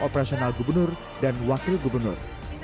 operasional gubernur dan wakil gubernur